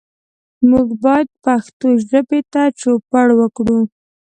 موږ باید پښتو ژبې ته چوپړ وکړو.